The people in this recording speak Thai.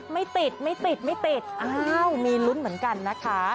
ไม่ติดไม่ติดไม่ติดอ้าวมีลุ้นเหมือนกันนะคะ